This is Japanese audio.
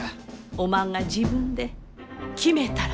おまんが自分で決めたらえい。